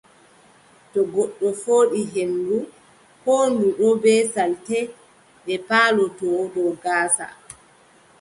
To goɗɗo fooɗi henndu, koo ndu ɗon bee salte, ɗe palotoo dow gaasa.